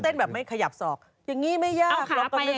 อย่างนี้แบบไม่ขยับศอกอย่างนี้ไม่ยาก